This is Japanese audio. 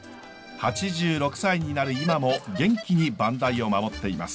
８６歳になる今も元気に番台を守っています。